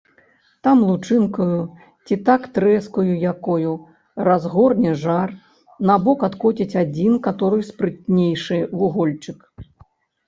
Там лучынкаю, ці так трэскаю якою, разгорне жар, набок адкоціць адзін, каторы спрытнейшы, вугольчык.